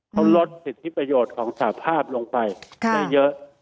เขาลดสิทธิประโยชน์ของสาภาพลงไปได้เยอะ